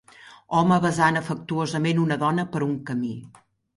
Home besant afectuosament una dona per un camí